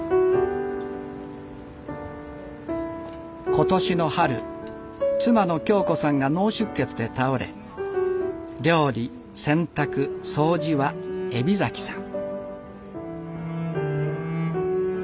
今年の春妻の恭子さんが脳出血で倒れ料理洗濯掃除は海老さん。